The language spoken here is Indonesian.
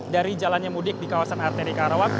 dari jalannya mudik di kawasan arteri karawang